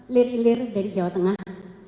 lir lir dari jawa tengah